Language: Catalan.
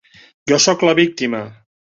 Jo soc la víctima!